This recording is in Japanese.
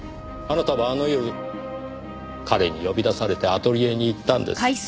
あなたはあの夜彼に呼び出されてアトリエに行ったんです。